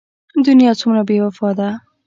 دنيا څومره بې وفا ده.